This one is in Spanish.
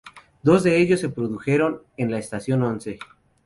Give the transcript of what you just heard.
Dos de ellos se produjeron en la estación Once.